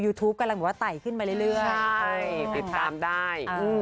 ทูปกำลังบอกว่าไต่ขึ้นมาเรื่อยใช่ติดตามได้